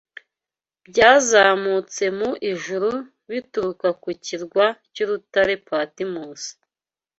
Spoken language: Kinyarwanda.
byazamutse mu ijuru bituruka ku kirwa cy’urutare Patimosi